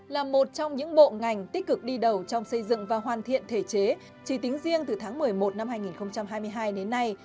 là một trong những bộ ngành tích cực đi đầu trong xây dựng và hoàn thiện thể chế chỉ tính riêng từ tháng một mươi một năm hai nghìn hai mươi hai đến nay